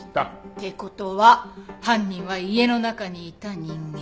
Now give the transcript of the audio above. って事は犯人は家の中にいた人間。